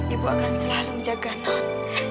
ibu akan selalu menjaga not